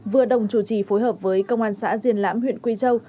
vừa đồng chủ trì phối hợp với công an xã diền lãm huyện quy châu